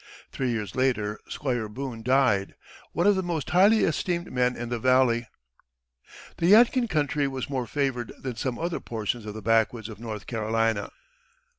Three years later Squire Boone died, one of the most highly esteemed men in the valley. The Yadkin country was more favored than some other portions of the backwoods of North Carolina.